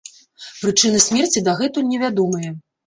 Прычыны смерці дагэтуль невядомыя.